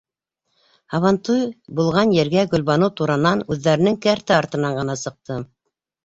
Һабантуй булған ергә Гөлбаныу туранан, үҙҙәренең кәртә артынан ғына сыҡты.